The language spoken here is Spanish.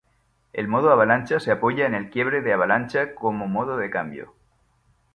El modo avalancha, se apoya en el quiebre de avalancha como modo de cambio.